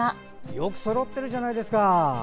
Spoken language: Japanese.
よくそろってるじゃないですか。